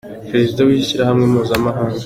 Perezida w’ishyirahamwe mpuzamahanga.